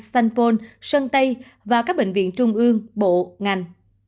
sanpon sơn tây và các bệnh viện trung ương bộ ngành